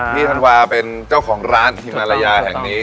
ธันวาเป็นเจ้าของร้านฮิมารยาแห่งนี้